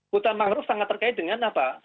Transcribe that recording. hutan mangrove sangat terkait dengan apa